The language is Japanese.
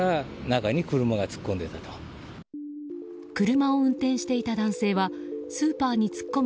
車を運転していた男性はスーパーに突っ込む